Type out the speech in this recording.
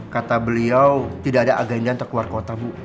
kata beliau tidak ada agenda untuk keluar kota bu